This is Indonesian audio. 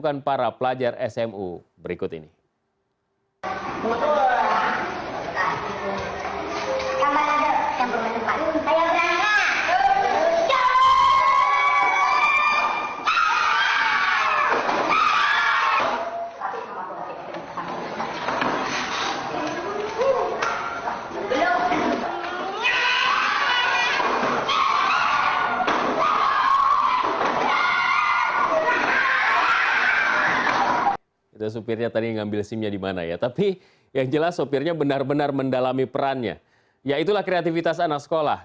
kita bisa bermain dan bersenang senang di sekolah